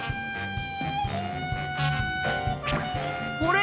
あれ？